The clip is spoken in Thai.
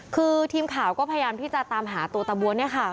คือทีมข่าวก็พยายามที่จะตามหาตัวตะบัวเนี่ยค่ะ